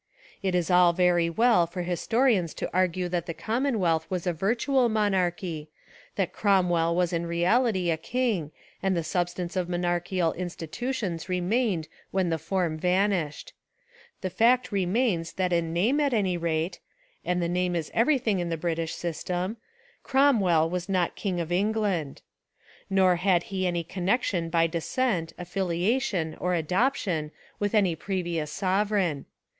It is all very well for historians to argue that the Commonwealth was a virtual monarchy, that Cromwell was In reality a king and the substance of monarchical institutions remained when the form vanished. The fact remains that in name at any rate, — and the name Is everything in the British sys tem, — Cromwell was not king of England. 282 A Rehabilitation of Charles II Nor had he any connection by descent, affilia tion, or adoption with any previous sovereign.